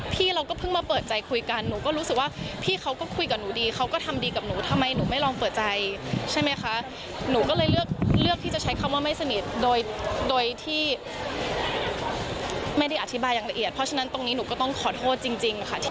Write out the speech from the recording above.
พี่เราก็เพิ่งมาเปิดใจคุยกันหนูก็รู้สึกว่าพี่เขาก็คุยกับหนูดีเขาก็ทำดีกับหนูทำไมหนูไม่ลองเปิดใจใช่ไหมคะหนูก็เลยเลือกเลือกที่จะใช้คำว่าไม่สนิทโดยที่ไม่ได้อธิบายอย่างละเอียดเพราะฉะนั้นตรงนี้หนูก็ต้องขอโทษจริงค่ะ